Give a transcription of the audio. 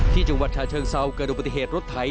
ที่จังหวัดชาเชิงเซาเกิดอุบัติเหตุรถไถ